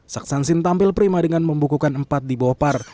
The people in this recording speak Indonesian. saksansin tampil prima dengan membukukan empat di bawah par